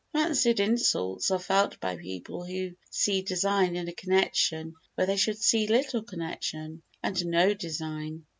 Fancied insults are felt by people who see design in a connection where they should see little connection, and no design.